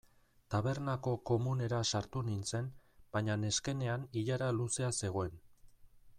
Tabernako komunera sartu nintzen baina neskenean ilara luzea zegoen.